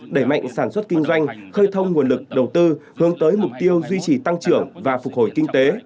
đẩy mạnh sản xuất kinh doanh khơi thông nguồn lực đầu tư hướng tới mục tiêu duy trì tăng trưởng và phục hồi kinh tế